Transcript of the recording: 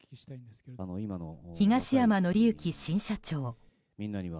東山紀之新社長。